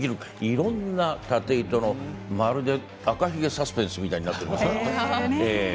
いろんな縦糸の、まるで「赤ひげ」サスペンスみたいになっています。